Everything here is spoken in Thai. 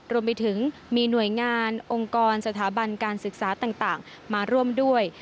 รวมไปถึงมีหน่วยงานองค์กรสถาบันการศึกษาต่างมาร่วมด้วย